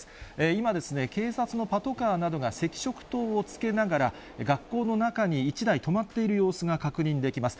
今、警察のパトカーなどが赤色灯をつけながら、学校の中に１台、止まっている様子が確認できます。